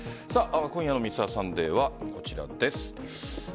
今夜の「Ｍｒ．サンデー」はこちらです。